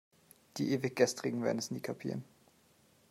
Die Ewiggestrigen werden es nie kapieren.